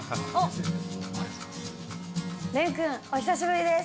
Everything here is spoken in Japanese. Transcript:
廉君、お久しぶりです。